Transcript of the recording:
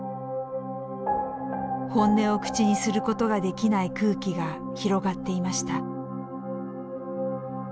本音を口にすることができない空気が広がっていました。